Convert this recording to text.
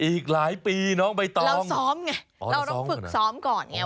อีกหลายปีน้องใบตองเราซ้อมไงเราต้องฝึกซ้อมก่อนไง